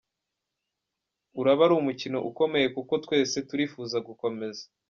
Uraba ari umukino ukomeye kuko twese turifuza gukomeza.